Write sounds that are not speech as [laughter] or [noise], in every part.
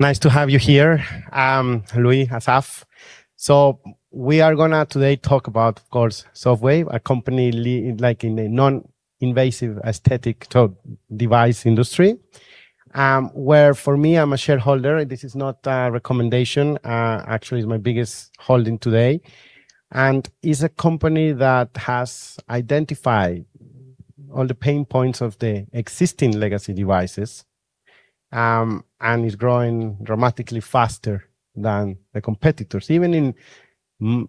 Nice to have you here, Louis, Assaf. We are going to today talk about, of course, SofWave, a company in a non-invasive aesthetic device industry, where for me, I'm a shareholder, this is not a recommendation. Actually, it's my biggest holding today, and it's a company that has identified all the pain points of the existing legacy devices and is growing dramatically faster than the competitors, even in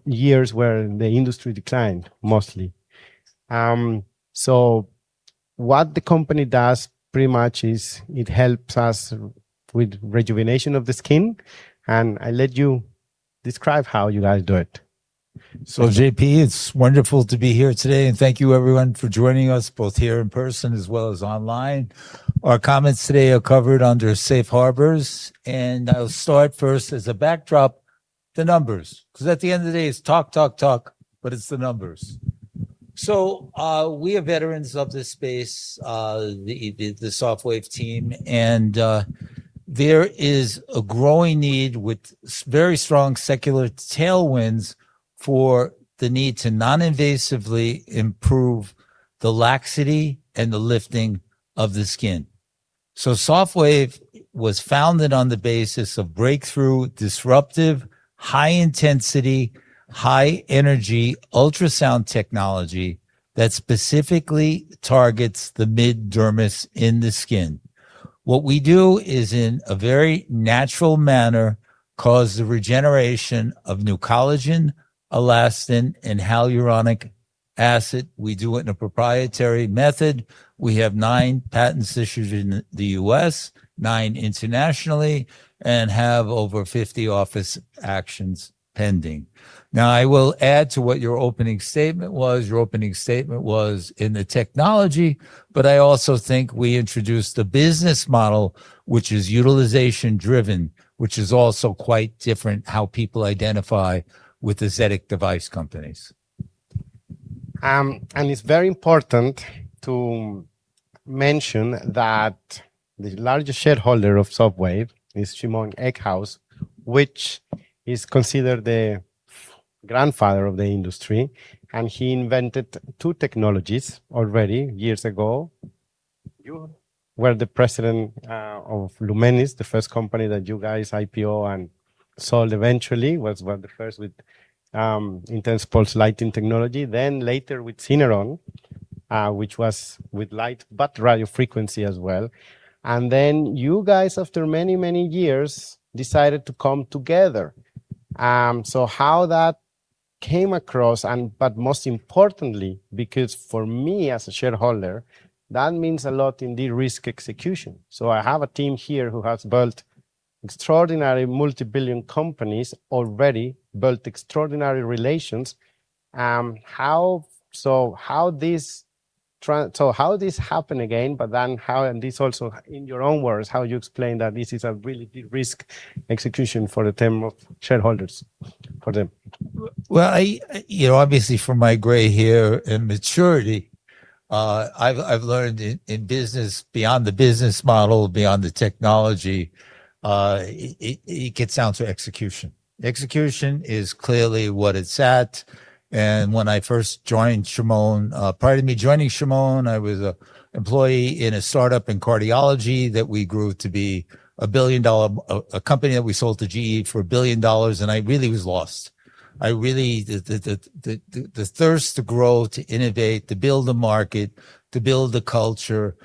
years where the industry declined mostly. What the company does pretty much is it helps us with rejuvenation of the skin, and I let you describe how you guys do it. JP, it's wonderful to be here today, thank you everyone for joining us both here in person as well as online. Our comments today are covered under safe harbors, I'll start first as a backdrop, the numbers, because at the end of the day, it's talk, talk, but it's the numbers. We are veterans of this space, the SofWave team, and there is a growing need with very strong secular tailwinds for the need to non-invasively improve the laxity and the lifting of the skin. SofWave was founded on the basis of breakthrough, disruptive, high-intensity, high-energy ultrasound technology that specifically targets the mid-dermis in the skin. What we do is, in a very natural manner, cause the regeneration of new collagen, elastin, and hyaluronic acid. We do it in a proprietary method. We have nine patents issued in the U.S., nine internationally, and have over 50 office actions pending. I will add to what your opening statement was. Your opening statement was in the technology, I also think we introduced a business model which is utilization-driven, which is also quite different how people identify with aesthetic device companies. It's very important to mention that the largest shareholder of SofWave is Shimon Eckhouse, which is considered the grandfather of the industry, and he invented two technologies already years ago. You were the president of Lumenis, the first company that you guys IPO-ed and sold eventually, was one of the first with Intense Pulsed Lighting technology, then later with Syneron, which was with light but radio frequency as well. You guys after many, many years decided to come together. How that came across. Most importantly because for me as a shareholder, that means a lot in de-risk execution. I have a team here who has built extraordinary multi-billion companies already, built extraordinary relations. How this happened again, how, and this also in your own words, how you explain that this is a really de-risk execution for the term of shareholders for them? Well, obviously from my gray hair and maturity, I've learned in business, beyond the business model, beyond the technology, it gets down to execution. Execution is clearly what it's at. And when I first joined Shimon, prior to me joining Shimon, I was an employee in a startup in cardiology that we grew to be a company that we sold to GE for $1 billion, and I really was lost. The thirst to grow, to innovate, to build a market, to build a culture,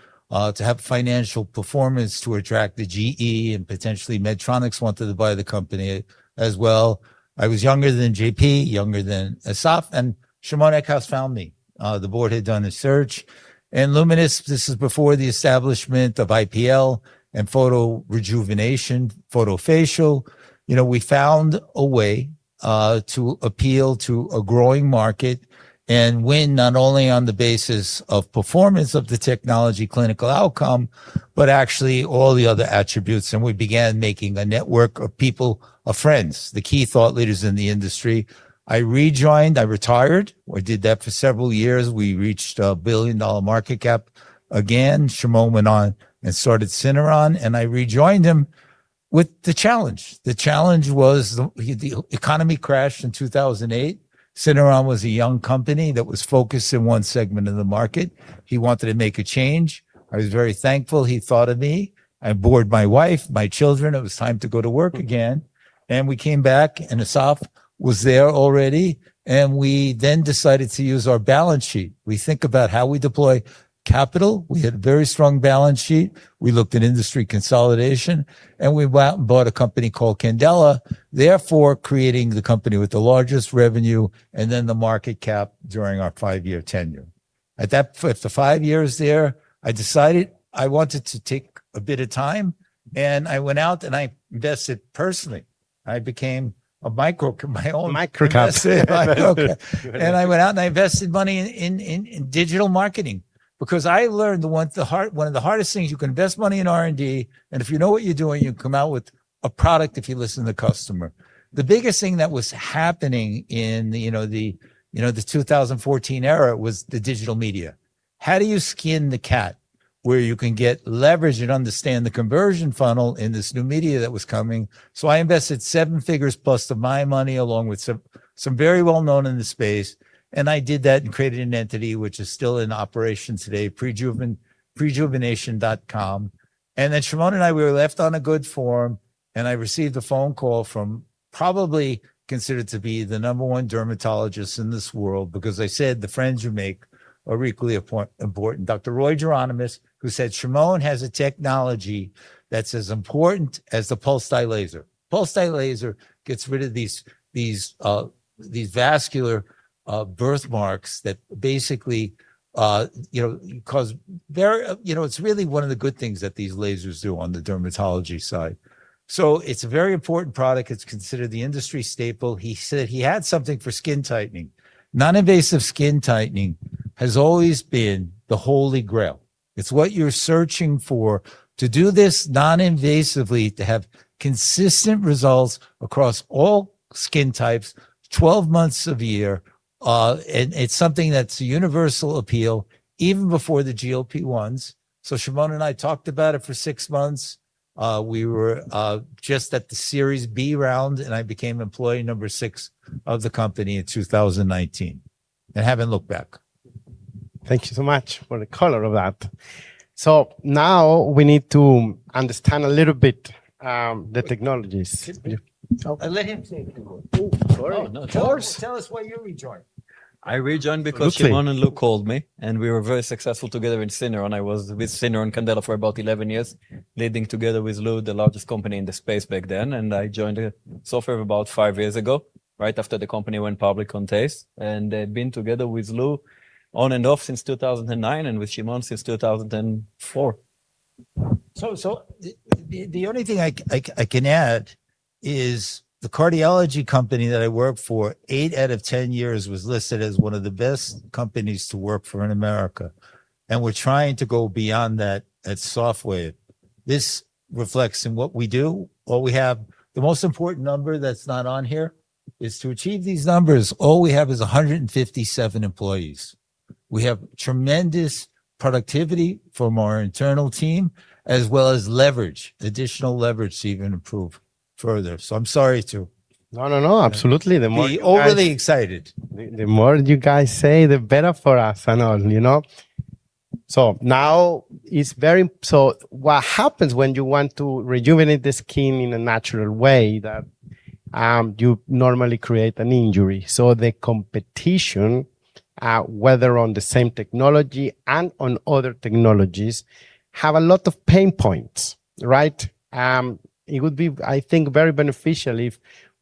to have financial performance to attract the GE and potentially Medtronic wanted to buy the company as well. I was younger than JP, younger than Assaf, and Shimon Eckhouse found me. The board had done a search. Lumenis, this is before the establishment of IPL and photorejuvenation, photofacial. We found a way to appeal to a growing market and win not only on the basis of performance of the technology clinical outcome, but actually all the other attributes, and we began making a network of people, of friends, the key thought leaders in the industry. I rejoined, I retired, or did that for several years. We reached a billion-dollar market cap again. Shimon went on and started Syneron, and I rejoined him with the challenge. The challenge was the economy crashed in 2008. Syneron was a young company that was focused in one segment of the market. He wanted to make a change. I was very thankful he thought of me. I bored my wife, my children. It was time to go to work again. We came back, and Assaf was there already, and we then decided to use our balance sheet. We think about how we deploy capital. We had a very strong balance sheet. We looked at industry consolidation, and we went out and bought a company called Candela, therefore creating the company with the largest revenue and then the market cap during our five-year tenure. After five years there, I decided I wanted to take a bit of time, and I went out and I invested personally. I became a MicroCap. MicroCap. I went out and I invested money in digital marketing because I learned one of the hardest things, you can invest money in R&D, and if you know what you're doing, you can come out with a product if you listen to the customer. The biggest thing that was happening in the 2014 era was the digital media. How do you skin the cat where you can get leverage and understand the conversion funnel in this new media that was coming? I invested seven figures plus of my money, along with some very well-known in the space, and I did that and created an entity which is still in operation today, prejuvenation.com. And Shimon and I were left on a good form, and I received a phone call from probably considered to be the No. 1 dermatologist in this world, because I said the friends you make are equally important. Dr. Roy Geronemus, who said, "Shimon has a technology that's as important as the pulsed dye laser." Pulsed dye laser gets rid of these vascular birthmarks. It's really one of the good things that these lasers do on the dermatology side. It's a very important product. It's considered the industry staple. He said he had something for skin tightening. Non-invasive skin tightening has always been the holy grail. It's what you're searching for to do this non-invasively, to have consistent results across all skin types, 12 months of year. It's something that's a universal appeal, even before the GLP-1s. Shimon and I talked about it for six months. We were just at the Series B round, and I became employee No. 6 of the company in 2019, and haven't looked back. Thank you so much for the color of that. Now we need to understand a little bit the technologies. Excuse me. Let him take control. [crosstalk] No, tell us why you rejoined. I rejoined because Shimon and Lou called me, and we were very successful together in Syneron. I was with Syneron Candela for about 11 years, leading together with Lou, the largest company in the space back then. I joined SofWave about five years ago, right after the company went public on TASE. I'd been together with Lou on and off since 2009, and with Shimon since 2004. The only thing I can add is the cardiology company that I worked for eight out of 10 years was listed as one of the best companies to work for in America and we're trying to go beyond that at SofWave. This reflects in what we do, what we have. The most important number that's not on here is to achieve these numbers, all we have is 157 employees. We have tremendous productivity from our internal team, as well as leverage, additional leverage to even improve further. I'm sorry to— No, no. Absolutely. The more— Overly excited. The more you guys say, the better for us and all. What happens when you want to rejuvenate the skin in a natural way that you normally create an injury. The competition, whether on the same technology and on other technologies, have a lot of pain points, right? It would be, I think, very beneficial if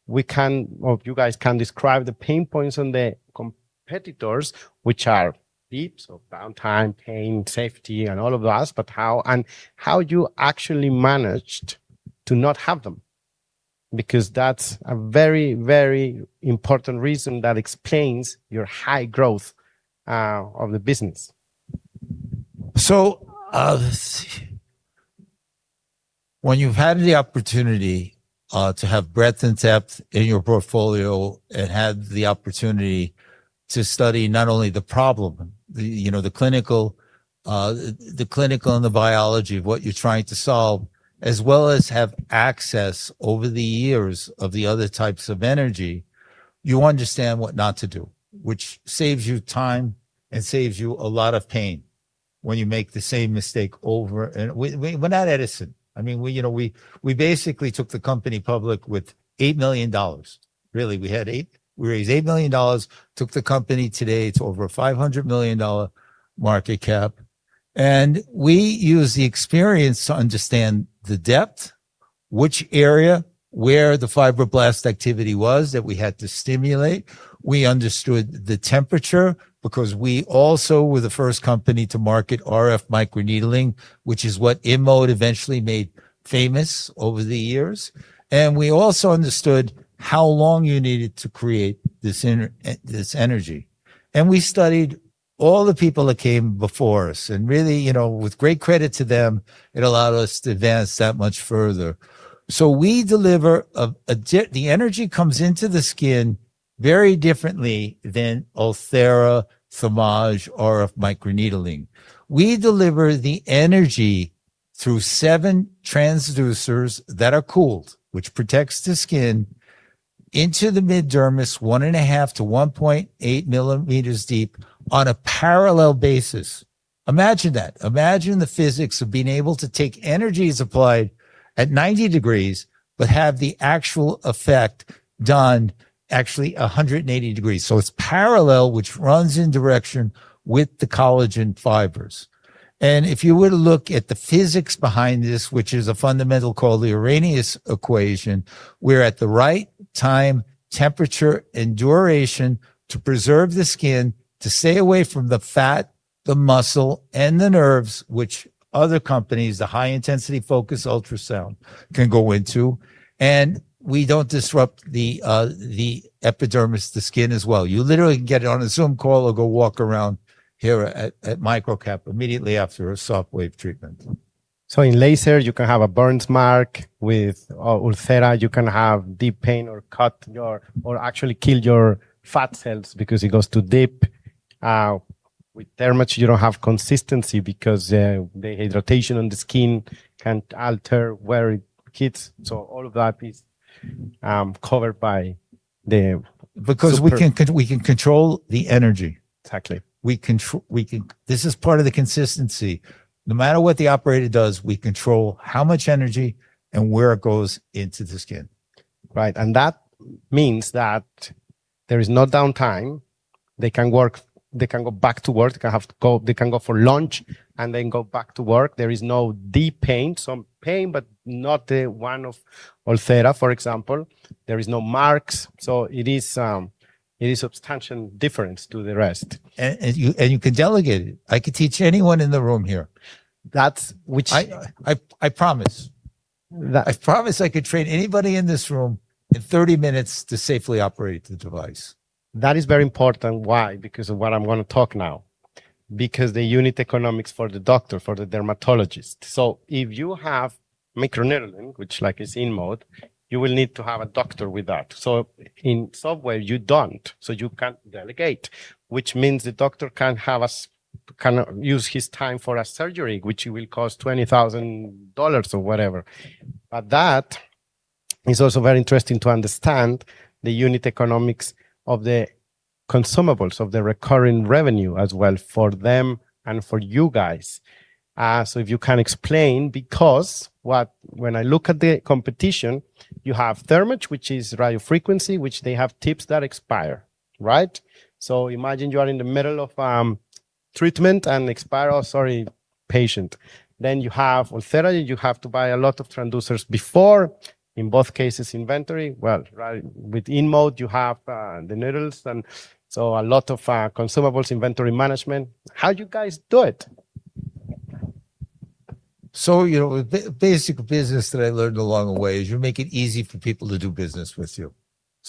you guys can describe the pain points on the competitors, which are deep, downtime, pain, safety, and all of that, and how you actually managed to not have them, because that's a very, very important reason that explains your high growth of the business. When you've had the opportunity to have breadth and depth in your portfolio and had the opportunity to study not only the problem, the clinical, and the biology of what you're trying to solve, as well as have access over the years of the other types of energy, you understand what not to do, which saves you time and saves you a lot of pain when you make the same mistake over. We're not Edison. We basically took the company public with $8 million. Really, we raised $8 million, took the company. Today, it's over a $500 million market cap. We used the experience to understand the depth, which area, where the fibroblast activity was that we had to stimulate. We understood the temperature because we also were the first company to market RF microneedling, which is what InMode eventually made famous over the years. We also understood how long you needed to create this energy. We studied all the people that came before us, and really, with great credit to them, it allowed us to advance that much further. The energy comes into the skin very differently than Ulthera, Thermage, RF microneedling. We deliver the energy through seven transducers that are cooled, which protects the skin into the mid-dermis, 1.5 to 1.8 millimeters deep on a parallel basis. Imagine that. Imagine the physics of being able to take energy as applied at 90 degrees, but have the actual effect done actually 180 degrees. It's parallel, which runs in direction with the collagen fibers. If you were to look at the physics behind this, which is a fundamental called the Arrhenius equation, we're at the right time, temperature, and duration to preserve the skin, to stay away from the fat, the muscle, and the nerves, which other companies, the high-intensity focused ultrasound can go into, and we don't disrupt the epidermis, the skin as well. You literally can get on a Zoom call or go walk around here at MicroCap immediately after a SofWave treatment. In laser you can have a burns mark, with Ulthera you can have deep pain or cut or actually kill your fat cells because it goes too deep. With Thermage you don't have consistency because the hydration on the skin can alter where it hits. All of that is covered by the super— We can control the energy. Exactly. This is part of the consistency. No matter what the operator does, we control how much energy and where it goes into the skin. Right. That means that there is no downtime. They can go back to work. They can go for lunch and then go back to work. There is no deep pain. Some pain, but not the one of Ulthera, for example. There is no marks. It is a substantial difference to the rest. You can delegate it. I could teach anyone in the room here. That's— I promise. I promise I could train anybody in this room in 30 minutes to safely operate the device That is very important. Why? Because of what I'm going to talk now, because the unit economics for the doctor, for the dermatologist. If you have microneedling, which like is InMode, you will need to have a doctor with that. In SofWave you don't, so you can delegate, which means the doctor can use his time for a surgery, which will cost $20,000 or whatever. That is also very interesting to understand the unit economics of the consumables, of the recurring revenue as well for them and for you guys. If you can explain, because when I look at the competition, you have Thermage, which is radio frequency, which they have tips that expire, right? Imagine you are in the middle of treatment and expire, sorry, patient. You have Ulthera, you have to buy a lot of transducers before in both cases inventory. Well, right? With InMode, you have the needles and so a lot of consumables, inventory management. How you guys do it? The basic business that I learned along the way is you make it easy for people to do business with you.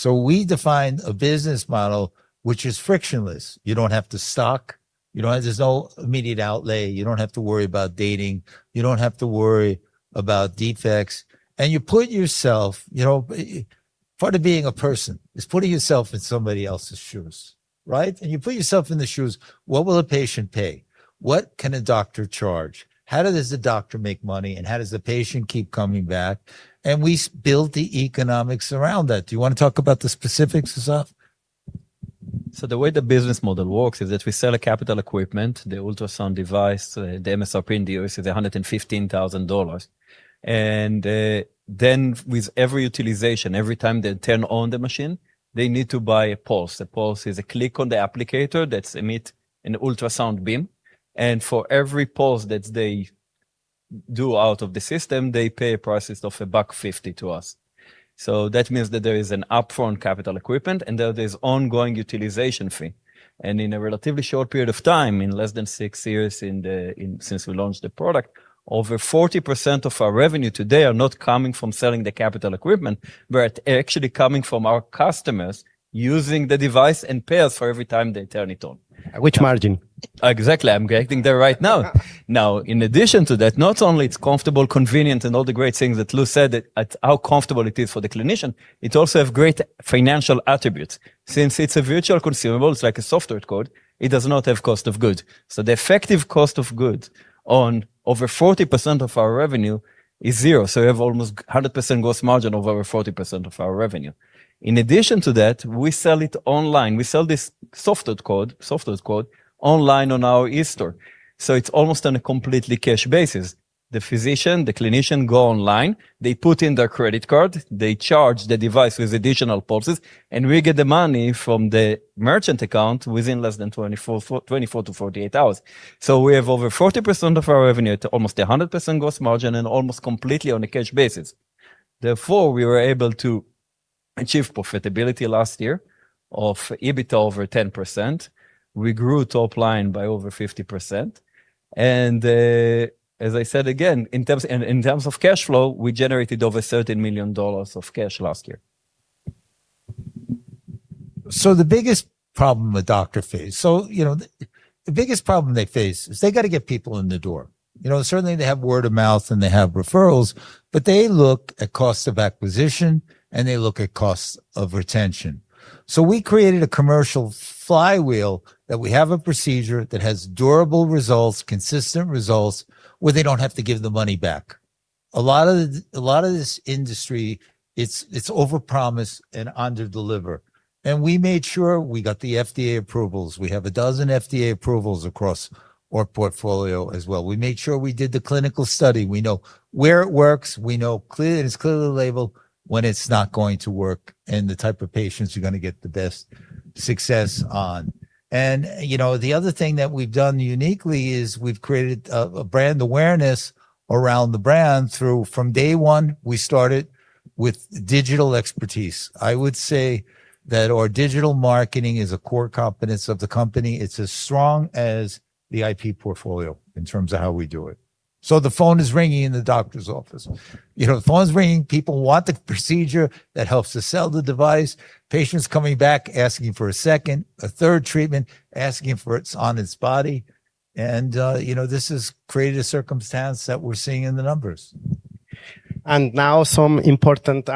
We define a business model, which is frictionless. You don't have to stock, there's no immediate outlay, you don't have to worry about dating, you don't have to worry about defects. Part of being a person is putting yourself in somebody else's shoes, right? You put yourself in the shoes, what will a patient pay? What can a doctor charge? How does the doctor make money, and how does the patient keep coming back? We build the economics around that. Do you want to talk about the specifics, Assaf? The way the business model works is that we sell a capital equipment, the ultrasound device, the MSRP in the U.S. is $115,000. Then with every utilization, every time they turn on the machine, they need to buy a pulse. The pulse is a click on the applicator that emits an ultrasound beam. For every pulse that they do out of the system, they pay a price of $1.50 to us. That means that there is an upfront capital equipment, and there is ongoing utilization fee. In a relatively short period of time, in less than six years since we launched the product, over 40% of our revenue today are not coming from selling the capital equipment, but actually coming from our customers using the device and pay us for every time they turn it on. Which margin? Exactly. I'm getting there right now. In addition to that, not only it's comfortable, convenient, and all the great things that Lou said at how comfortable it is for the clinician, it also has great financial attributes. Since it's a virtual consumable, it's like a software code, it does not have cost of goods. The effective cost of goods on over 40% of our revenue is zero. We have almost 100% gross margin over 40% of our revenue. In addition to that, we sell it online. We sell this software code online on our e-store. It's almost on a completely cash basis. The physician, the clinician go online, they put in their credit card, they charge the device with additional pulses, we get the money from the merchant account within less than 24 to 48 hours. We have over 40% of our revenue at almost 100% gross margin and almost completely on a cash basis. Therefore, we were able to achieve profitability last year of EBITDA over 10%. We grew top line by over 50%. As I said, again, in terms of cash flow, we generated over $13 million of cash last year. The biggest problem they face is they got to get people in the door. Certainly they have word of mouth, they have referrals, but they look at cost of acquisition, they look at cost of retention. We created a commercial flywheel that we have a procedure that has durable results, consistent results, where they don't have to give the money back. A lot of this industry, it's overpromise and underdeliver, we made sure we got the FDA approvals. We have a dozen FDA approvals across our portfolio as well. We made sure we did the clinical study. We know where it works, we know it's clearly labeled when it's not going to work, and the type of patients you're going to get the best success on. The other thing that we've done uniquely is we've created a brand awareness around the brand through, from day one, we started with digital expertise. I would say that our digital marketing is a core competence of the company. It's as strong as the IP portfolio in terms of how we do it. The phone is ringing in the doctor's office. The phone's ringing, people want the procedure that helps to sell the device. Patients coming back asking for a second, a third treatment, asking for it on its body. This has created a circumstance that we're seeing in the numbers. Now some important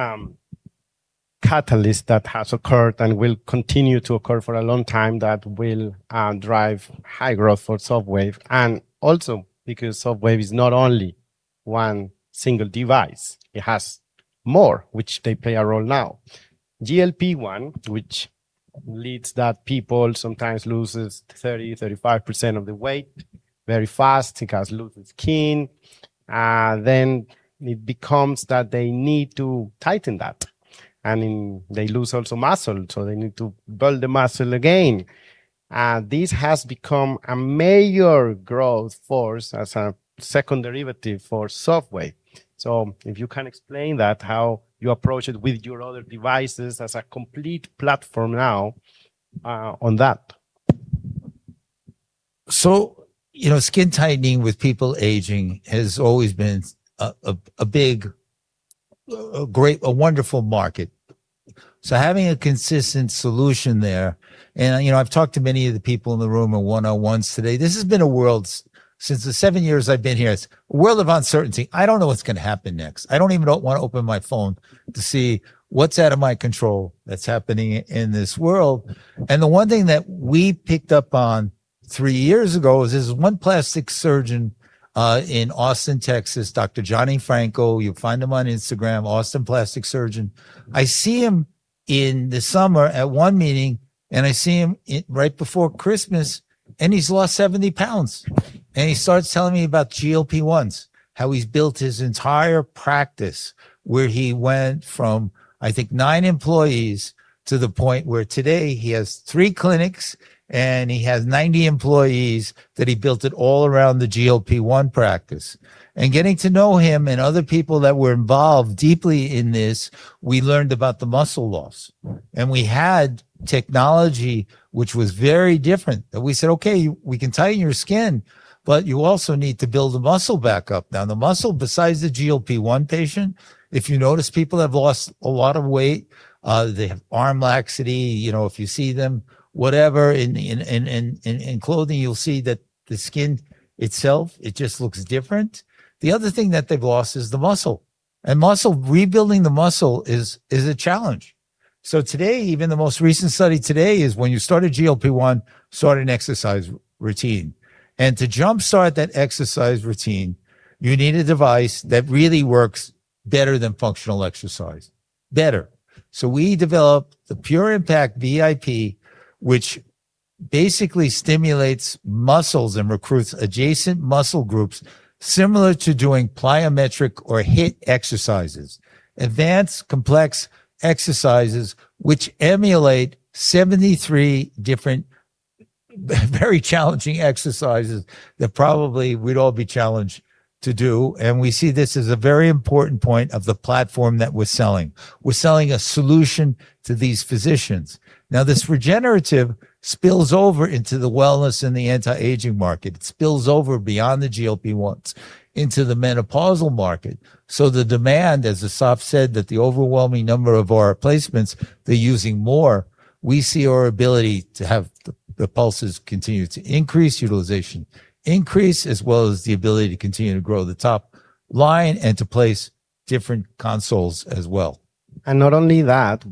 catalyst that has occurred and will continue to occur for a long time, that will drive high growth for SofWave. Also, because SofWave is not only one single device, it has more, which they play a role now. GLP-1, which leads that people sometimes lose 30%, 35% of the weight very fast because lose skin, then it becomes that they need to tighten that. They lose also muscle, so they need to build the muscle again. This has become a major growth force as a second derivative for SofWave. If you can explain that, how you approach it with your other devices as a complete platform now on that. Skin tightening with people aging has always been a big, a great, a wonderful market. Having a consistent solution there, and I've talked to many of the people in the room in one-on-ones today, this has been a world. Since the seven years I've been here, it's a world of uncertainty. I don't know what's going to happen next. I don't even want to open my phone to see what's out of my control that's happening in this world. The one thing that we picked up on three years ago is there's one plastic surgeon, in Austin, Texas, Dr. Johnny Franco. You'll find him on Instagram, Austin plastic surgeon. I see him in the summer at one meeting, and I see him right before Christmas, and he's lost 70 pounds. He starts telling me about GLP-1s, how he's built his entire practice, where he went from, I think, nine employees to the point where today he has three clinics and he has 90 employees, that he built it all around the GLP-1 practice. Getting to know him and other people that were involved deeply in this, we learned about the muscle loss. We had technology which was very different, that we said, "Okay, we can tighten your skin, but you also need to build the muscle back up." The muscle besides the GLP-1 patient, if you notice people have lost a lot of weight, they have arm laxity. If you see them, whatever, in clothing, you'll see that the skin itself, it just looks different. The other thing that they've lost is the muscle. Muscle, rebuilding the muscle is a challenge. Today, even the most recent study today is when you start a GLP-1, start an exercise routine. To jump-start that exercise routine, you need a device that really works better than functional exercise. Better. So, we developed the PureImpact VIP, which basically stimulates muscles and recruits adjacent muscle groups similar to doing plyometric or HIIT exercises. Advanced complex exercises which emulate 73 different very challenging exercises that probably we'd all be challenged to do. We see this as a very important point of the platform that we're selling. We're selling a solution to these physicians. This regenerative spills over into the wellness and the anti-aging market. It spills over beyond the GLP-1s into the menopausal market. The demand, as Assaf said, that the overwhelming number of our placements, they're using more. We see our ability to have the pulses continue to increase utilization, increase, as well as the ability to continue to grow the top line and to place different consoles as well. Not only that,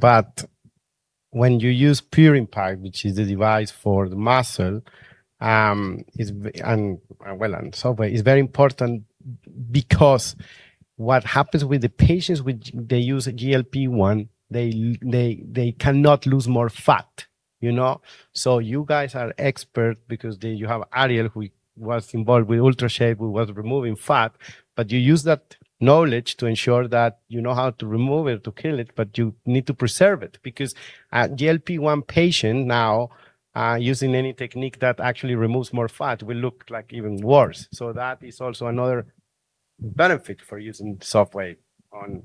when you use PureImpact, which is the device for the muscle, and well, on SofWave, it's very important because what happens with the patients which they use a GLP-1, they cannot lose more fat. You guys are expert because then you have Ariel, who was involved with UltraShape, who was removing fat, but you use that knowledge to ensure that you know how to remove it, to kill it, but you need to preserve it, because a GLP-1 patient now, using any technique that actually removes more fat will look like even worse. That is also another benefit for using SofWave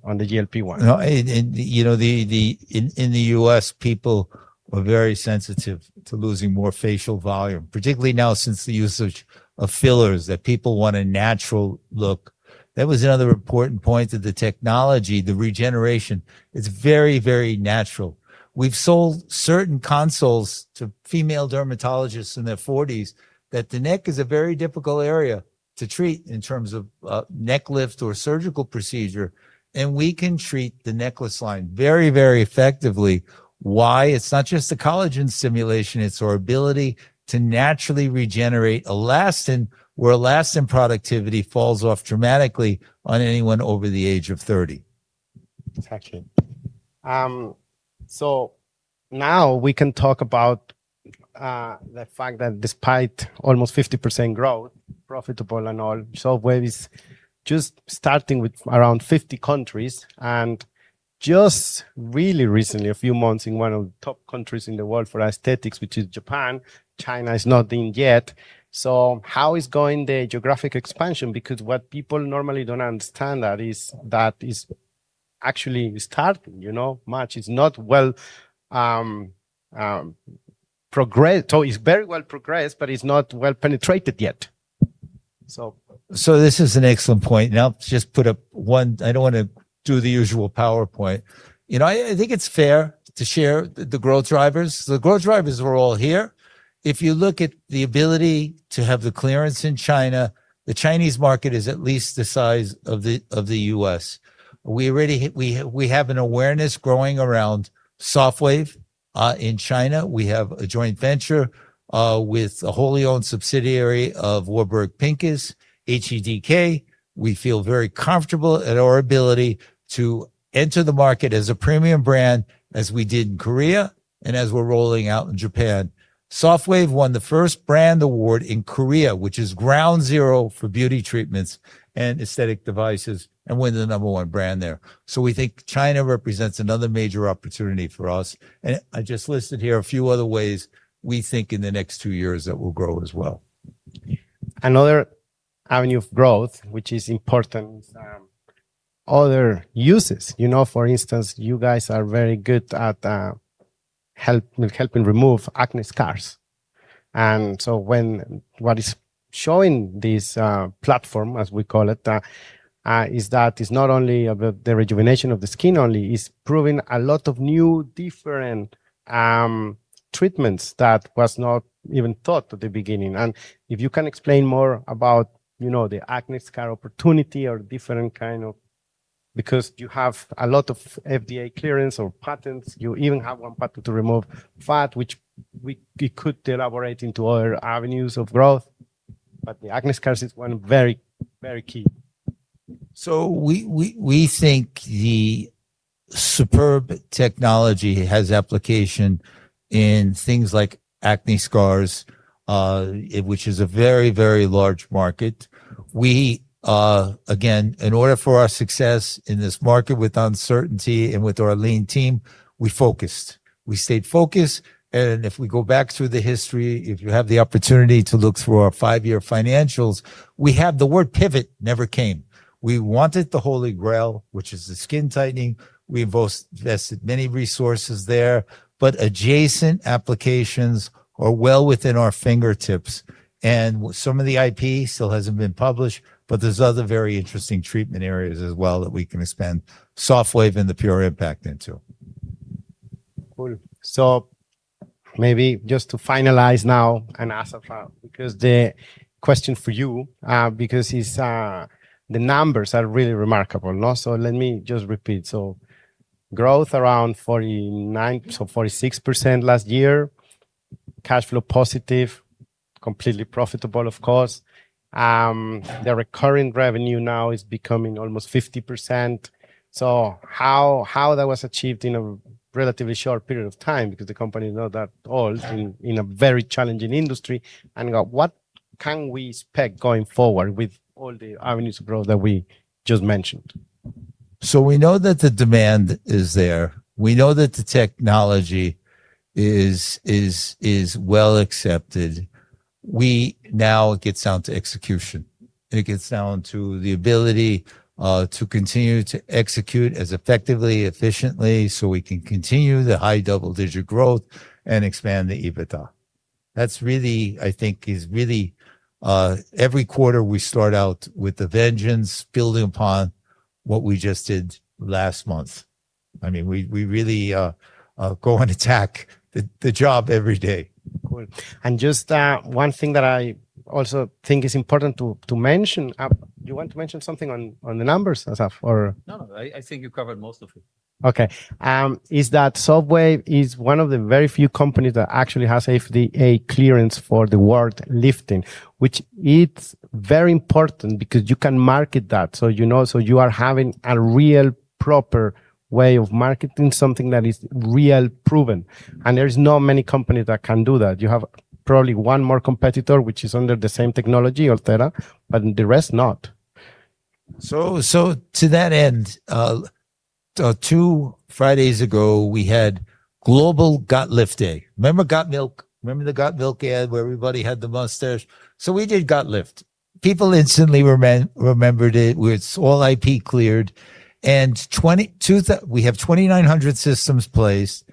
on the GLP-1. In the U.S., people are very sensitive to losing more facial volume, particularly now since the usage of fillers, that people want a natural look. That was another important point of the technology, the regeneration. It's very, very natural. We've sold certain consoles to female dermatologists in their 40s, that the neck is a very difficult area to treat in terms of neck lift or surgical procedure, and we can treat the necklace line very, very effectively. Why? It's not just the collagen stimulation, it's our ability to naturally regenerate elastin, where elastin productivity falls off dramatically on anyone over the age of 30. Got you. Now we can talk about the fact that despite almost 50% growth, profitable and all, SofWave is just starting with around 50 countries, and just really recently, a few months in one of the top countries in the world for aesthetics, which is Japan. China is not in yet. How is going the geographic expansion? What people normally don't understand that is that is actually starting, much. It's not well progressed, or it's very well progressed, but it's not well penetrated yet. This is an excellent point, and I'll just put up one I don't want to do the usual PowerPoint. I think it's fair to share the growth drivers. The growth drivers were all here. If you look at the ability to have the clearance in China. The Chinese market is at least the size of the U.S. We have an awareness growing around SofWave in China. We have a joint venture with a wholly-owned subsidiary of Warburg Pincus, HTDK. We feel very comfortable at our ability to enter the market as a premium brand as we did in Korea and as we're rolling out in Japan. SofWave won the first brand award in Korea, which is ground zero for beauty treatments and aesthetic devices, and we're the number one brand there. We think China represents another major opportunity for us, and I just listed here a few other ways we think in the next two years that we'll grow as well. Another avenue of growth, which is important, other uses. For instance, you guys are very good at helping remove acne scars. What is showing this platform, as we call it, is that it's not only about the rejuvenation of the skin only. It's proving a lot of new, different treatments that was not even thought at the beginning. If you can explain more about the acne scar opportunity or different kind of because you have a lot of FDA clearance or patents. You even have one patent to remove fat, which we could elaborate into other avenues of growth. The acne scars is one very key. We think the SUPERB technology has application in things like acne scars, which is a very large market. Again, in order for our success in this market with uncertainty and with our lean team, we focused. We stayed focused and if we go back through the history, if you have the opportunity to look through our five-year financials, the word "pivot" never came. We wanted the holy grail, which is the skin tightening. We invested many resources there, but adjacent applications are well within our fingertips, and some of the IP still hasn't been published, but there's other very interesting treatment areas as well that we can expand SofWave and the PureImpact into. Cool. Maybe just to finalize now and Assaf, the question for you, because the numbers are really remarkable, no. Let me just repeat. Growth around 49%, 46% last year. Cash flow positive, completely profitable, of course. The recurring revenue now is becoming almost 50%. How that was achieved in a relatively short period of time because the company is not that old, in a very challenging industry, and what can we expect going forward with all the avenues of growth that we just mentioned? We know that the demand is there. We know that the technology is well-accepted. Now it gets down to execution. It gets down to the ability to continue to execute as effectively, efficiently, so we can continue the high double-digit growth and expand the EBITDA. I think it's really every quarter we start out with a vengeance, building upon what we just did last month. We really go and attack the job every day. Cool. Just one thing that I also think is important to mention. Do you want to mention something on the numbers, Assaf, or? No, I think you covered most of it. Okay. Is that SofWave is one of the very few companies that actually has FDA clearance for the word "lifting," which it's very important because you can market that. You are having a real proper way of marketing something that is real proven, and there's not many companies that can do that. You have probably one more competitor, which is under the same technology, Ulthera, but the rest not. To that end, two Fridays ago, we had Global Got Lift Day. Remember Got Milk? Remember the Got Milk, the ad where everybody had the mustache? We did Got Lift. People instantly remembered it's all IP cleared. We have 2,900 systems placed,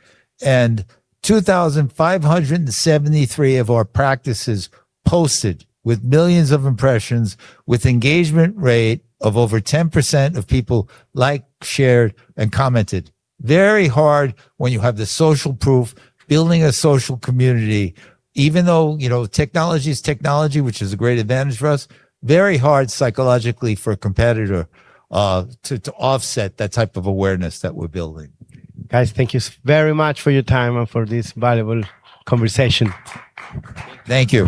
and 2,573 of our practices posted with millions of impressions, with engagement rate of over 10% of people liked, shared, and commented. Very hard when you have the social proof, building a social community. Even though technology is technology, which is a great advantage for us, very hard psychologically for a competitor to offset that type of awareness that we're building. Guys, thank you very much for your time and for this valuable conversation. Thank you.